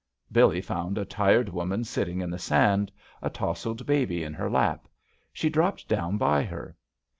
Billee found a tired woman sitting in the sand, a tousled baby in her lap. She dropped down by her.